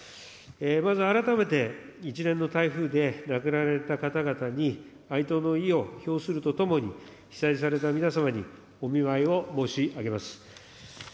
まず改めて、一連の台風で亡くなられた方々に哀悼の意を表するとともに、被災された皆様にお見舞いを申し上げます。